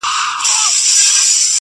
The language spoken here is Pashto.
څوک له ښاره څوک راغلي وه له کلي!